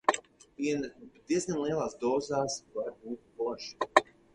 Vienatne pat diezgan lielās dozās var būt forša.